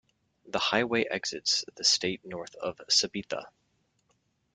The highway exits the state north of Sabetha.